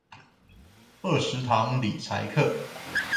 二十堂理財課